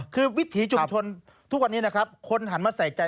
คือวิถีจุดชนทุกวันนี้คนหันมาใส่ใจ